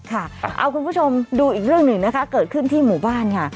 ค่ะเอาคุณผู้ชมดูอีกเรื่องหนึ่งนะคะเกิดขึ้นที่หมู่บ้านค่ะ